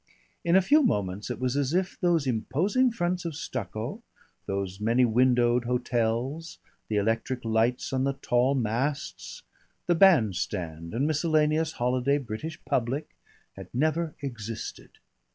In a few moments it was as if those imposing fronts of stucco, those many windowed hotels, the electric lights on the tall masts, the band stand and miscellaneous holiday British public, had never existed.